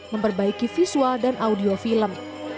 memperbaiki visual dan audio film